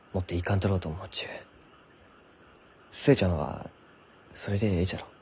寿恵ちゃんはそれでえいじゃろう？